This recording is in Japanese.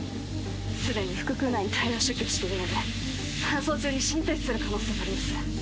既に腹腔内に大量出血しているので搬送中に心停止する可能性があります